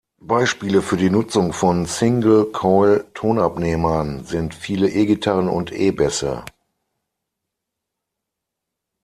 Beispiele für die Nutzung von Single-Coil-Tonabnehmern sind viele E-Gitarren und E-Bässe.